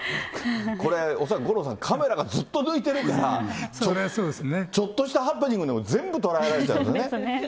これ、恐らく、五郎さん、カメラがずっと抜いてるから、ちょっとしたハプニングでも全部捉えられちゃうんですね。